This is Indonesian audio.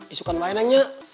isukan main nengnya